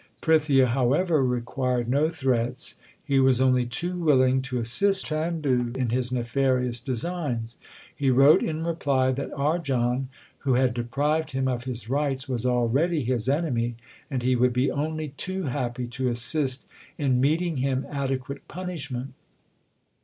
Prithia, how ever, required no threats ; he was only too willing to assist Chandu in his nefarious designs. He wrote in reply that Arjan, who had deprived him of his rights, was already his enemy ; and he would be only too happy to assist in meting him adequate punish ment.